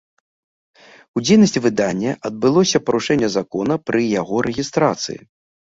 У дзейнасці выдання адбылося парушэнне закона пры яго рэгістрацыі.